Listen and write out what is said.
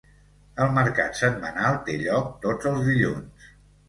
El mercat setmanal té lloc tots els dilluns.